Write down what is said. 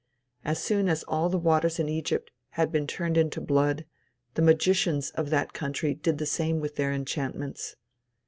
As soon as all the waters in Egypt had been turned into blood, the magicians of that country did the same with their enchantments.